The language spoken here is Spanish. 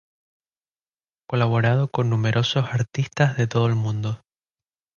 Ha colaborado con numerosos artistas de todo el mundo.